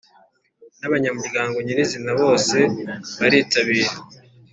N abanyamuryango nyirizina bose baritabira